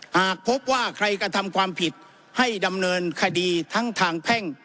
หากพบว่าใครกระทำความผิดให้ดำเนินคดีทั้งทางแพ่ง